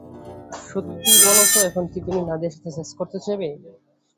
সত্যি বলো ত, এখন কি তুমি নাদিয়ার সাথে সেক্স করতে চাইবে?